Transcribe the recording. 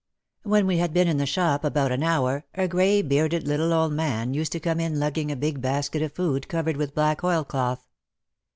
When we had been in the shop about an hour a grey bearded little old man used to come in lugging a big basket of food covered with black oil cloth.